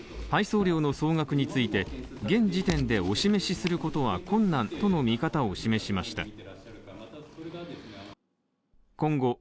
配送料の総額について、現時点でお示しすることは困難との見方を示しました。